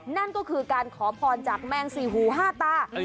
นั่นก็คือการขอพรจากแมงสี่หูห้าตา